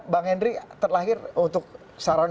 bang henry terlahir untuk saran